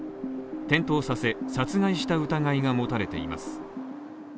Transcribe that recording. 転倒させ、殺害した疑いが持たれています。